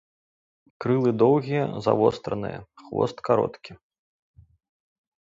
Крылы доўгія, завостраныя, хвост кароткі.